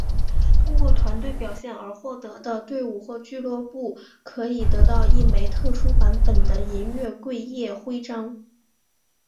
通过团队表现而获奖的队伍或俱乐部可以得到一枚特殊版本的银月桂叶徽章。